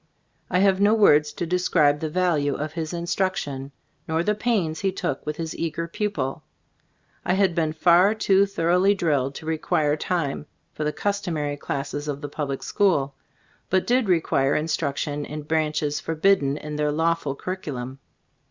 I have no words to describe j the value of his instruction, nor the pains he took with his eager pupil. I ' had been far too thoroughly drilled' to require time for the customary classes of the public school, but did require instruction in branches forbid , den in their lawful curriculum.